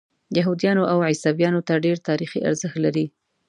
یهودیانو او عیسویانو ته ډېر تاریخي ارزښت لري.